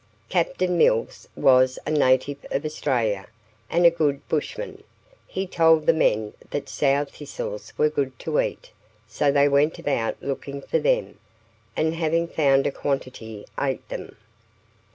Captain Mills was a native of Australia, and a good bushman; he told the men that sow thistles were good to eat, so they went about looking for them, and having found a quantity ate them.